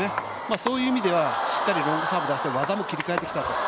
そういう意味ではしっかりロングサーブを出して技も出してきたと。